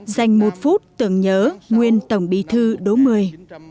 dành một phút tưởng nhớ nguyên tổng bí thư đỗ mười